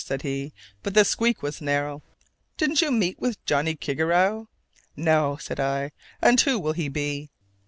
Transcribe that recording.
said he, "but the squeak was narrow! Didn't you meet with Johnnie Kigarrow?" "No!" said I, "and who will he be?